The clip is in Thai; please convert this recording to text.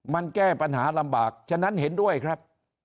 มันแก้ปัญหาลำบากฉะนั้นเห็นด้วยครับ